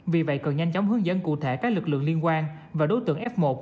vì vậy cần nhanh chóng hướng dẫn cụ thể các lực lượng liên quan và đối tượng f một